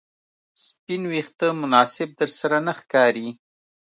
سپین ویښته مناسب درسره نه ښکاري